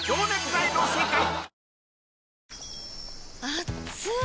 あっつい！